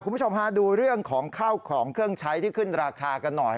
คุณผู้ชมฮะดูเรื่องของข้าวของเครื่องใช้ที่ขึ้นราคากันหน่อย